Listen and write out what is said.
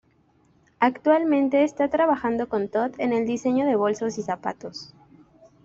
Actualmente está trabajando con Tod en el diseño de bolsos y zapatos.